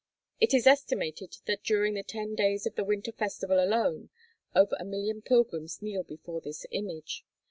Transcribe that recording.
(It is estimated that during the ten days of the winter festival alone, over a million pilgrims kneel before this image.)